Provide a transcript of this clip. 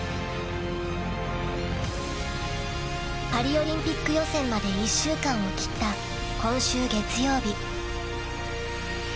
［パリオリンピック予選まで１週間を切った今週月曜日］